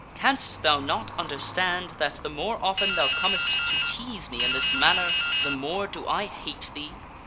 Canst thou not under stand that the more often thou comest to tease me in this manner, the more do I hate thee?